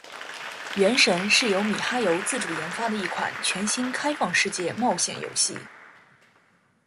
《原神》是由米哈游自主研发的一款全新开放世界冒险游戏。